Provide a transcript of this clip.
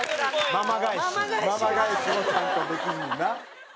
ママ返しもちゃんとできんねんな。